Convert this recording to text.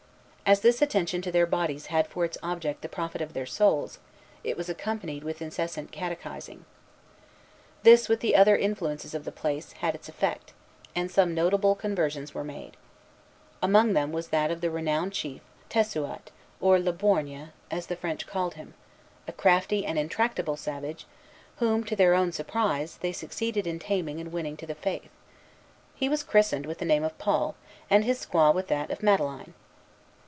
As this attention to their bodies had for its object the profit of their souls, it was accompanied with incessant catechizing. This, with the other influences of the place, had its effect; and some notable conversions were made. Among them was that of the renowned chief, Tessouat, or Le Borgne, as the French called him, a crafty and intractable savage, whom, to their own surprise, they succeeded in taming and winning to the Faith. He was christened with the name of Paul, and his squaw with that of Madeleine.